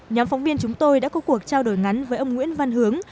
nhóm phóng viên chúng tôi đã có cuộc trao đổi ngắn với ông nguyễn văn hướng